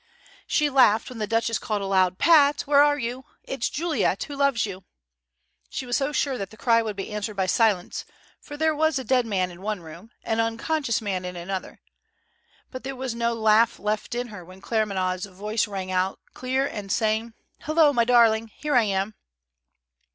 She laughed when the Duchess called aloud, "Pat! Where are you? It's Juliet, who loves you." She was so sure that the cry would be answered by silence, for there was a dead man in one room, an unconscious man in another. But there was no laugh left in her when Claremanagh's voice rang out, clear and sane, "Hullo, my darling! Here I am!"